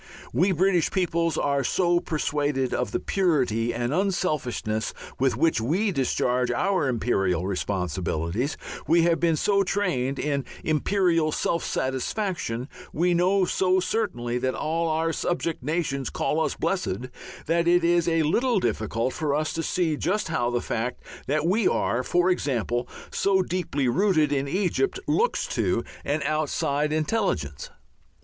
We British people are so persuaded of the purity and unselfishness with which we discharge our imperial responsibilities, we have been so trained in imperial self satisfaction, we know so certainly that all our subject nations call us blessed, that it is a little difficult for us to see just how the fact that we are, for example, so deeply rooted in Egypt looks to an outside intelligence.